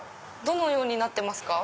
どのようになってますか？